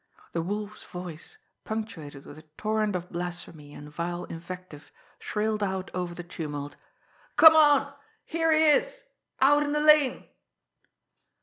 The Wolf's voice, punctuated with a torrent of blasphemy and vile invective, shrilled out over the tumult: "Come on! Here he is! Out in the lane!"